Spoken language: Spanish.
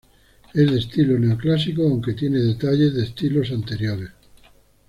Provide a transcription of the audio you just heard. Es de estilo neoclásico aunque tiene detalles de estilos anteriores.